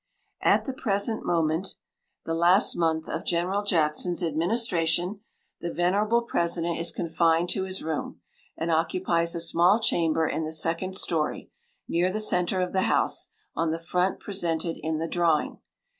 At the present moment (the last month of General Jackson's administration) the venerable President is confined to his room, and occupies a small chamber in the second story, near the centre of the house, on the front presented in the drawing.